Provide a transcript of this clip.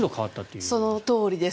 そのとおりです。